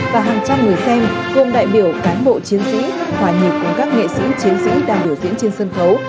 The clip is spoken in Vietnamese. và hàng trăm người xem gồm đại biểu cán bộ chiến sĩ hòa nhịp cùng các nghệ sĩ chiến sĩ đang biểu diễn trên sân khấu